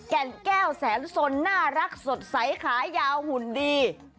แก่นแก้วแสนสนน่ารักสดใสขายาวหุ่นดี